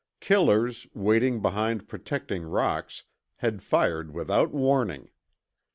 Killers, waiting behind protecting rocks, had fired without warning.